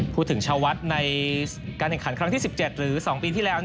ชาววัดในการแข่งขันครั้งที่๑๗หรือ๒ปีที่แล้ว